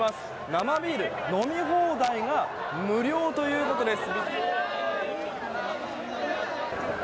生ビール飲み放題が無料ということです。